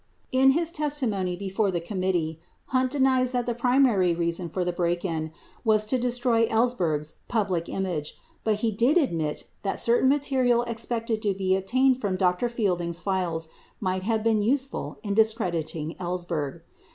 83 In his testimony before the committee, Hunt denied that the pri mary reason for the break in was to destroy Ellsberg's public image, but he did admit that certain material expected to be obtained from Dr. Fielding's files might have been useful in discrediting Ellsberg.